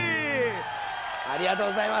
ありがとうございます。